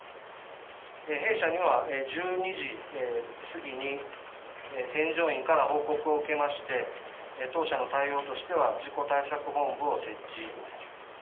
弊社には１２時過ぎに添乗員から報告を受けまして、当社の対応としては、事故対策本部を設置。